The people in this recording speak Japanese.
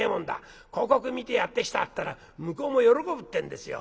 広告見てやって来たったら向こうも喜ぶってんですよ。